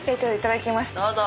どうぞ。